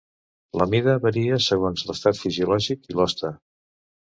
La mida varia segons l'estat fisiològic i l'hoste.